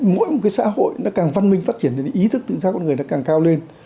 mỗi một cái xã hội nó càng văn minh phát triển nên ý thức tự do con người nó càng cao lên